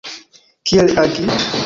Kiel agi?